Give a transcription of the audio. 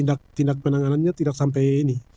tindak tindak penanganannya tidak sampai ini